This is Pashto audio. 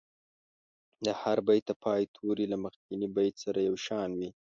د هر بیت د پای توري له مخکني بیت سره یو شان وي.